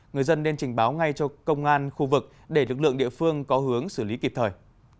người dân nên trình báo ngay cho công an khu vực để lực lượng địa phương có hướng xử lý kịp thời